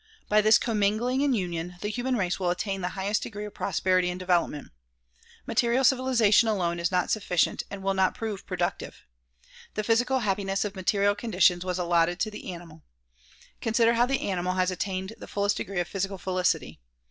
By this commingling and union, the human race will attain the highest degree of prosperity and development. Material civilization alone is not sufficient and will not prove productive. The physical hap piness of material conditions was allotted to the animal. Consider how the animal has attained the fullest degree of physical felicity.